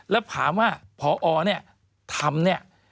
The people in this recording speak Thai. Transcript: แล้วถามว่าพอทำนี่